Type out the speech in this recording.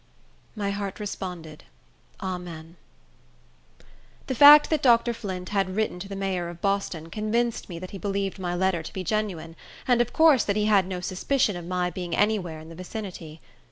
'" My heart responded, Amen. The fact that Dr. Flint had written to the mayor of Boston convinced me that he believed my letter to be genuine, and of course that he had no suspicion of my being any where in the vicinity.